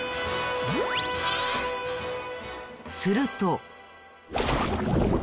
すると。